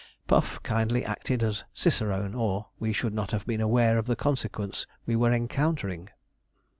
Puff kindly acted as cicerone, or we should not have been aware of the consequence we were encountering.